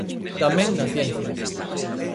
Tamén na ciencia.